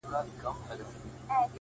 ته زموږ زړونه را سپين غوندي کړه؛